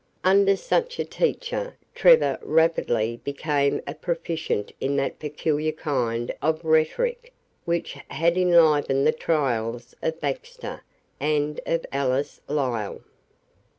Under such a teacher, Trevor rapidly became a proficient in that peculiar kind of rhetoric which had enlivened the trials of Baxter and of Alice Lisle.